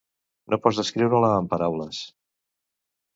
No pots descriure-la amb paraules.